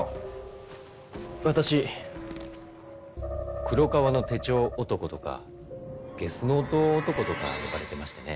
私黒革の手帖男とかゲスノート男とか呼ばれてましてね。